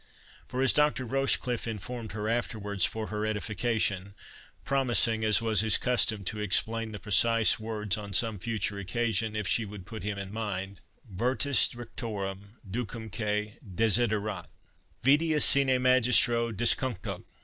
For, as Dr. Rochecliffe informed her afterwards for her edification, promising, as was his custom, to explain the precise words on some future occasion, if she would put him in mind—Virtus rectorem ducemque desiderat; Vitia sine magistro discuntur.